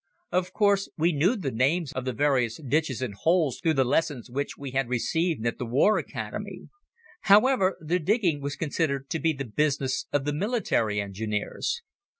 Of course, we knew the names of the various ditches and holes through the lessons which we had received at the War Academy. However, the digging was considered to be the business of the military engineers.